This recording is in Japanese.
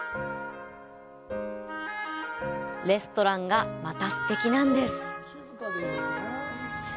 レストランが、またすてきなんです。